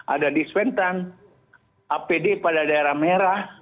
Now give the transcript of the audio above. ada dispentan apd pada daerah merah